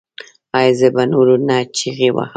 ایا زه به نور نه چیغې وهم؟